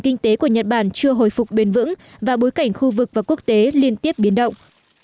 kinh tế của nhật bản chưa hồi phục bền vững và bối cảnh khu vực và quốc tế liên tiếp biến động